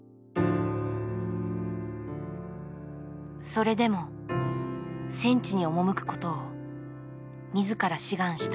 それでも戦地に赴くことを自ら志願した。